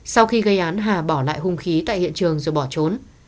sau khi gây án hà bỏ lại hung khí tại hiện trường rồi bỏ trốn